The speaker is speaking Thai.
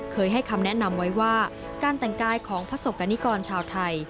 เคยให้คำแนะนำไว้ว่าการแต่งกายของประสบกรณิกรชาวไทย